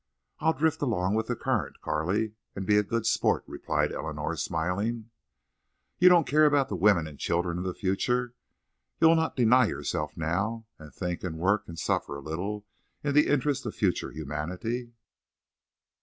"I'll drift along with the current, Carley, and be a good sport," replied Eleanor, smiling. "You don't care about the women and children of the future? You'll not deny yourself now, and think and work, and suffer a little, in the interest of future humanity?"